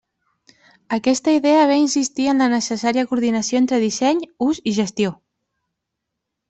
Aquesta idea ve a insistir en la necessària coordinació entre disseny, ús i gestió.